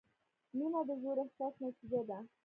• مینه د ژور احساس نتیجه ده.